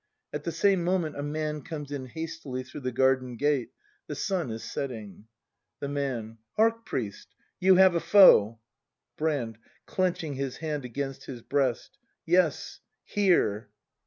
At the same moment A Man comes in hastily through the garden gate. The sun is setting. The Man. Hark, priest, you have a foe ! Brand. [Clenching his hand against his breast.] Yes, here!